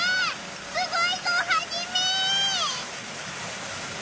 すごいぞハジメ！